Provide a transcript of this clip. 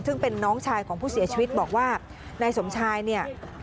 ซึ่งเป็นน้องชายของผู้เสียชีวิตบอกว่านายสมชายเนี่ย